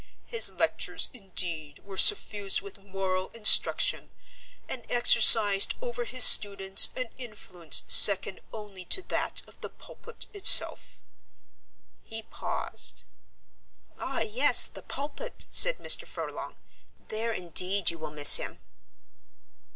His lectures, indeed, were suffused with moral instruction, and exercised over his students an influence second only to that of the pulpit itself." He paused. "Ah yes, the pulpit," said Mr. Furlong, "there indeed you will miss him."